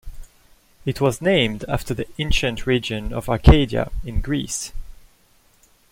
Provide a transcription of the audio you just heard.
It was named after the ancient region of Arcadia, in Greece.